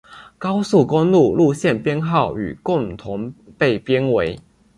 高速公路路线编号与共同被编为。